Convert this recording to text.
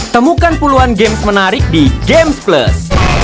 temukan puluhan games menarik di james plus